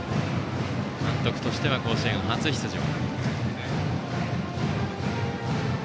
監督としては甲子園初出場。